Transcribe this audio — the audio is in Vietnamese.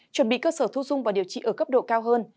chuẩn bị cơ sở thu dung và điều trị ở cấp độ cao hơn